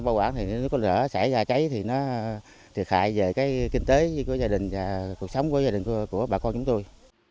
và cuộc sống của gia đình của bà con chúng tôi